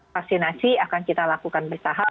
vaksinasi akan kita lakukan bertahap